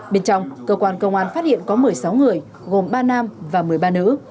bên trong cơ quan công an phát hiện có một mươi sáu người gồm ba nam và một mươi ba nữ